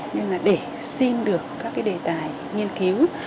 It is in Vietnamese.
nên là để xin được các cái đề tài nghiên cứu